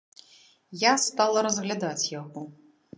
Я стала разглядаць яго.